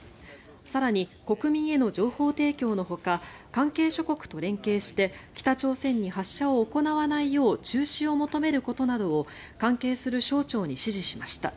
更に、国民への情報提供のほか関係諸国と連携して北朝鮮に発射を行わないよう中止を求めることなどを関係する省庁に指示しました。